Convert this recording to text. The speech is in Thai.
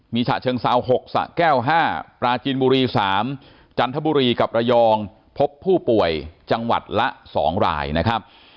มีฉะเชิงเซา๖สะแก้ว๕ปราจินบุรี๓จันทบุรีกับระยองพบผู้ป่วยจังหวัดละ๒รายนะครับ